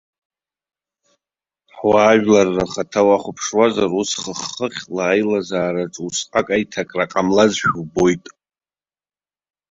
Ҳуаажәларра ахаҭа уахәаԥшуазар, ус хыхь-хыхьла аилазаараҿ усҟак еиҭакра ҟамлазшәа убоит.